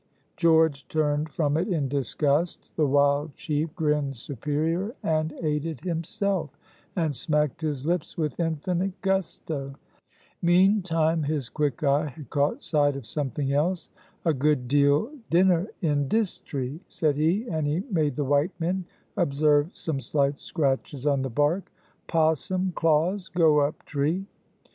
George turned from it in disgust; the wild chief grinned superior and ate it himself, and smacked his lips with infinite gusto. Meantime his quick eye had caught sight of something else. "A good deal dinner in dis tree," said he, and he made the white men observe some slight scratches on the bark. "Possum claws go up tree."